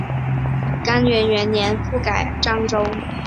干元元年复改漳州。